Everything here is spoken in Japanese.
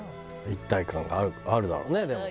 一体感があるだろうねでも。